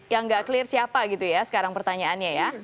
yang nggak clear siapa gitu ya sekarang pertanyaannya ya